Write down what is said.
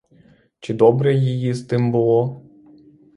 Чи добре її з тим було?